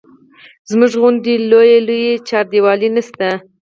زموږ غوندې لویې لویې چاردیوالۍ نه شته.